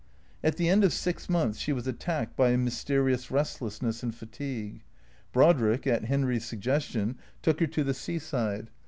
At the end of six months she was attacked by a mysterious restlessness and fatigue. Brodrick, at Henry's suggestion, took her to the seaside.